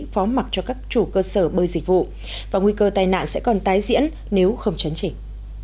phó mặt cho các chủ cơ sở bơi dịch vụ và nguy cơ tai nạn sẽ còn tái diễn nếu không chấn chỉnh